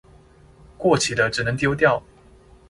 過期了只能丟掉